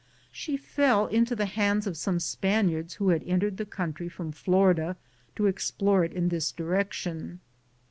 She fell into the hands of some Spaniards who had entered the country from Florida to explore it in tins direction.